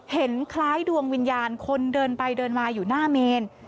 เห็นคล้ายดวงวิญญาณคนเดินไปเดินมาอยู่หน้าเมน